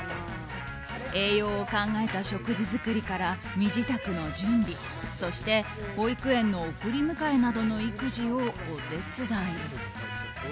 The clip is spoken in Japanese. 栄養を考えた食事作りから身支度の準備そして保育園の送り迎えなどの育児をお手伝い。